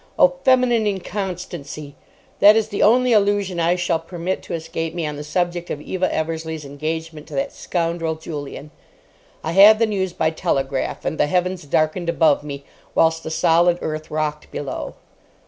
O feminine inconstancy! That is the only allusion I shall permit to escape me on the subject of Eva Eversleigh's engagement to that scoundrel Julian. I had the news by telegraph, and the heavens darkened above me, whilst the solid earth rocked below.